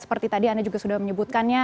seperti tadi anda juga sudah menyebutkannya